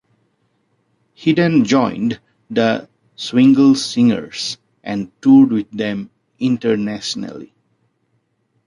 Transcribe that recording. He then joined The Swingle Singers and toured with them internationally.